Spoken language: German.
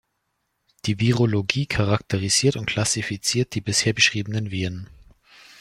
Die Virologie charakterisiert und klassifiziert die bisher beschriebenen Viren.